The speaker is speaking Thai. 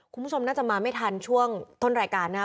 คุณผู้ชมน่าจะมาไม่ทันช่วงต้นรายการนะครับ